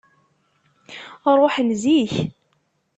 Ṛuḥen zik.